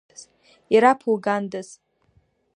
Ираԥугандаз!